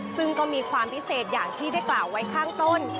ซึ่งก็มีความพิเศษอย่างที่ได้กล่าวไว้ข้างต้น